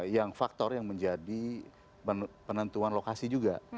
yang faktor yang menjadi penentuan lokasi juga